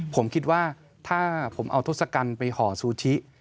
ผมคิดว่าถ้าผมเอาทศกัณฐ์ไปห่อซูชิ